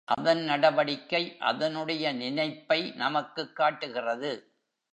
அதன் நடவடிக்கை, அதனுடைய நினைப்பை நமக்குக் காட்டுகிறது.